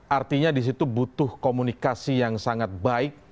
artinya disitu butuh komunikasi yang sangat baik